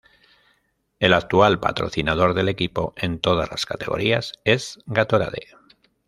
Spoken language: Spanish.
El actual patrocinador del equipo en todas las categorías es Gatorade.